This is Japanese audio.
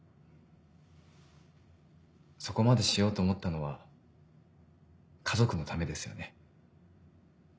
そこまでしようと思ったのは家族のためですよね？